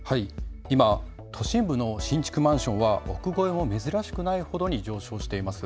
今、都心部の新築マンションは億超えが珍しくないほどに上昇しています。